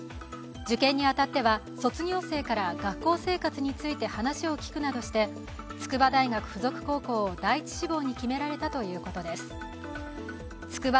受験に当たっては卒業生から学校生活について話を聞くなどして筑波大学附属高校を第一志望に決められたということです。